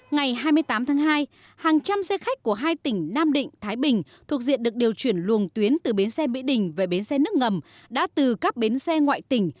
ngày hai mươi tám tháng hai hàng trăm xe khách của hai tỉnh nam định thái bình thuộc diện được điều chuyển luồng tuyến từ bến xe mỹ đình về bến xe nước ngầm đã từ các bến xe ngoại tỉnh